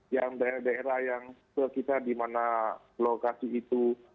yang daerah daerah yang sekitar di mana lokasi itu